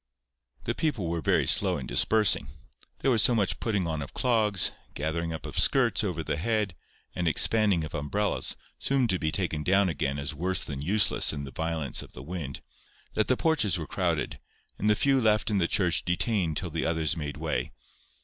The people were very slow in dispersing. There was so much putting on of clogs, gathering up of skirts over the head, and expanding of umbrellas, soon to be taken down again as worse than useless in the violence of the wind, that the porches were crowded, and the few left in the church detained till the others made way.